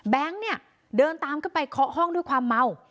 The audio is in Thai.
แบงค์เดินตามเข้าไปเคาะห้องด้วยความเมา